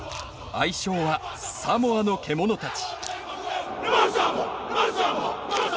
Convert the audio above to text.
愛称はサモアの獣たち。